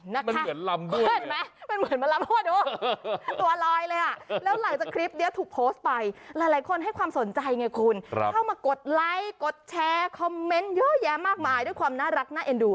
น้อยต้องอัดใหม่ตั้งแต่ต้นแล้วคูณค่ะ